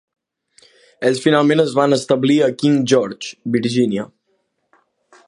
Ells finalment es van establir a King George, Virginia.